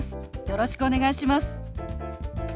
よろしくお願いします。